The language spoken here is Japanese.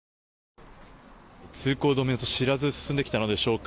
通行止めと知らず進んできたのでしょうか。